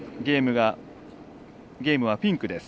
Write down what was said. ゲームはフィンクです。